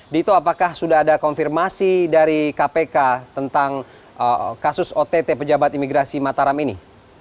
dito apakah sudah ada konfirmasi dari kpk tentang kasus ott pejabat imigrasi mataram ini